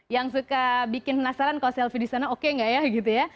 yang suka bikin penasaran kalau selfie di sana oke nggak ya gitu ya